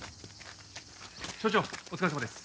署長お疲れさまです。